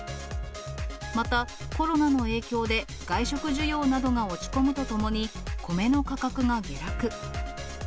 また、コロナの影響で外食需要などが落ち込むとともに、米の価格が下落。